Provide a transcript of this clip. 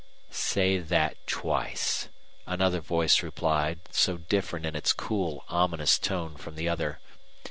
"Say that twice," another voice replied, so different in its cool, ominous tone from the other.